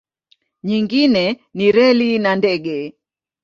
Nyingine ni reli na ndege.